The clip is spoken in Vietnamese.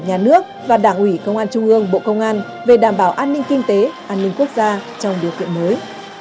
nhà nước và đảng ủy công an trung ương bộ công an về đảm bảo an ninh kinh tế an ninh quốc gia trong điều kiện mới